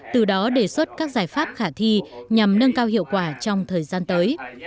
từ đó đề xuất các giải pháp khả thi nhằm nâng cao hiệu quả trong thời gian tới